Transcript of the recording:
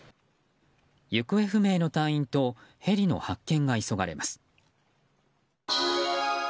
行方不明の隊員とヘリの発見が急がれます。